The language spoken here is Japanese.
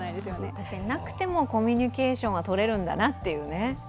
確かになくてもコミュニケーションはとれるんだなというね。